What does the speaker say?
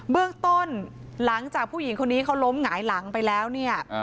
เบื้องต้นหลังจากผู้หญิงคนนี้เขาล้มหงายหลังไปแล้วเนี่ย